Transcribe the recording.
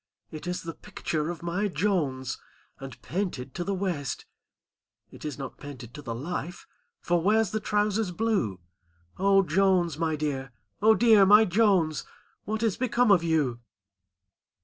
It is the picture of my Jones, And painted to the waist. It is not painted to the life, For Where's the trousers blue? O Jones, my dear! â Oh, dearl my Jones, What is become of you?"